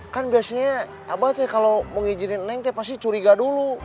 kan biasanya abah teh kalo mau ngijinin neng teh pasti curiga dulu